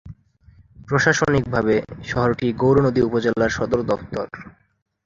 প্রশাসনিকভাবে শহরটি গৌরনদী উপজেলার সদর দফতর।